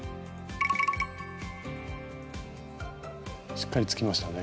しっかりつきましたね。